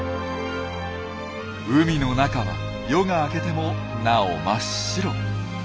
海の中は夜が明けてもなお真っ白。